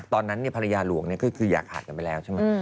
ตอนนั้นเนี่ยภรรยาหลวงเนี่ยก็คือยากหาดกันไปแล้วใช่มั้ย